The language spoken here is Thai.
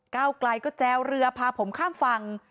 เก้าไกลก็แจวเรือพาผมข้ามฝั่ง